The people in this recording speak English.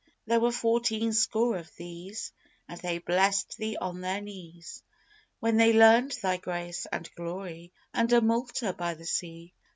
There were fourteen score of these, And they blessed Thee on their knees, When they learned Thy Grace and Glory under Malta by the sea."